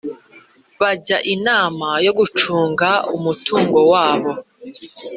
bajya inama yo gucunga umutungo wabo